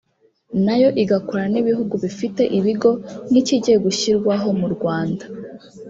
nayo igakorana n’ibihugu bifite ibigo nk’ikigiye gushyirwaho mu Rwanda